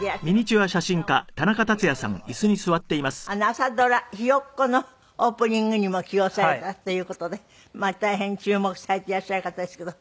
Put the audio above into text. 朝ドラ『ひよっこ』のオープニングにも起用されたっていう事で大変注目されていらっしゃる方ですけど。